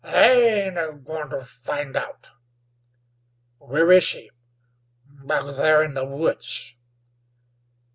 "They ain't agoin' ter find out." "Where is she?" "Back there in the woods."